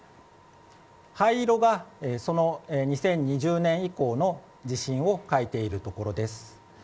灰色が、２０２０年以降の地震を書いているところです。